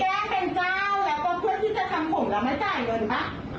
แกเป็นเจ้าและคนที่ตัดทำผมแล้วไม่จ่ายเงินป่ะ